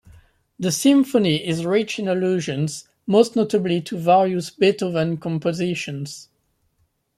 The symphony is rich in allusions, most notably to various Beethoven compositions.